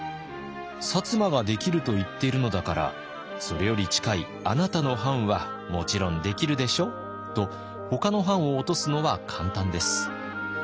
「摩ができると言っているのだからそれより近いあなたの藩はもちろんできるでしょ？」とほかの藩を落とすのは簡単です。